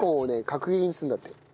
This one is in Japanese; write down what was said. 角切りにするんだって。